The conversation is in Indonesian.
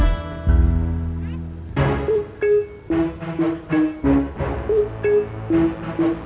ya pak juna